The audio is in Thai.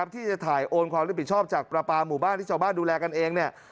ที่จะถ่ายโอนความรับผิดชอบจากประปาหมู่บ้านที่ชาวบ้านดูแลกันเองเนี่ย